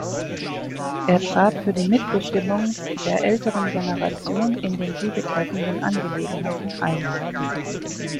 Er trat für die Mitbestimmung der älteren Generation in den sie betreffenden Angelegenheiten ein.